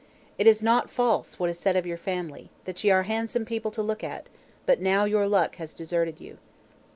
_ "'It is not false, what is said of your family, that ye are handsome people to look at; but now your luck has deserted you.'